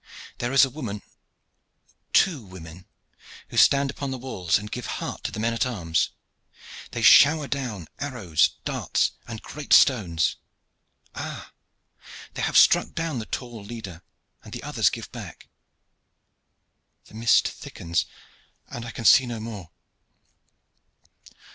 There is a woman, two women, who stand upon the walls, and give heart to the men at arms. They shower down arrows, darts and great stones. Ah! they have struck down the tall leader, and the others give back. The mist thickens and I can see no more."